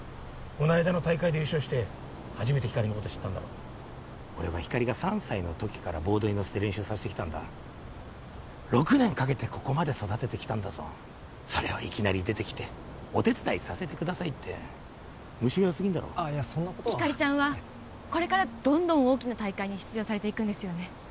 この間の大会で優勝して初めてひかりのこと知ったんだろ俺はひかりが３歳の時からボードに乗せて練習させてきたんだ６年かけてここまで育ててきたんだぞそれをいきなり出てきてお手伝いさせてくださいって虫がよすぎんだろいやそんなことはひかりちゃんはこれからどんどん大きな大会に出場されていくんですよね